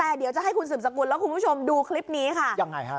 แต่เดี๋ยวจะให้คุณสืบสกุลและคุณผู้ชมดูคลิปนี้ค่ะยังไงฮะ